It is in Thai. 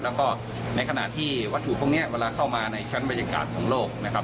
แล้วก็ในขณะที่วัตถุพวกนี้เวลาเข้ามาในชั้นบรรยากาศของโลกนะครับ